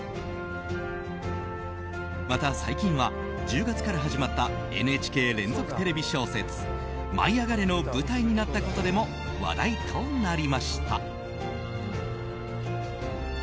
また、最近は１０月から始まったＮＨＫ連続テレビ小説「舞いあがれ！」の舞台になったことでも話題となりました。